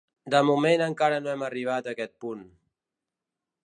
De moment encara no hem arribat a aquest punt.